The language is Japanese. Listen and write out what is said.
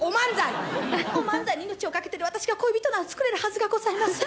お漫才に命を懸けてる私が恋人など作れるはずがございません。